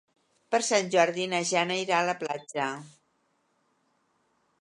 Per Sant Jordi na Jana irà a la platja.